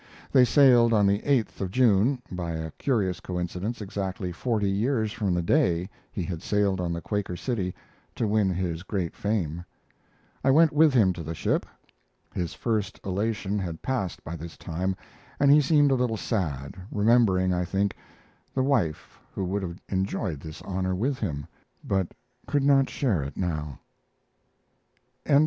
They sailed on the 8th of June, by a curious coincidence exactly forty years from the day he had sailed on the Quaker City to win his great fame. I went with him to the ship. His first elation had passed by this time, and he seemed a little sad, remembering, I think, the wife who would have enjoyed this honor with him but could not share it now. CCLVII.